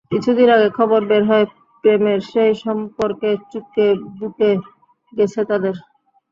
কিছুদিন আগে খবর বের হয়, প্রেমের সেই সম্পর্ক চুকেবুকে গেছে তাঁদের।